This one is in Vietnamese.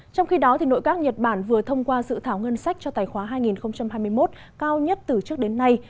trong khi đó nội các nhật bản vừa thông qua dự thảo ngân sách cho tài khoá hai nghìn hai mươi một cao nhất từ trước đến nay